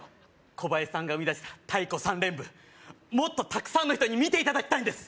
コバヤシさんが生み出した太鼓３連符もっとたくさんの人に見ていただきたいんです